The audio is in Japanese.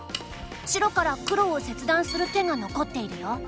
白から黒を切断する手が残っているよ。